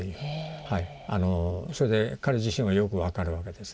それで彼自身はよく分かるわけですね。